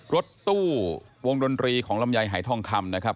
รถตู้วงดนตรีของลำไยหายทองคำนะครับ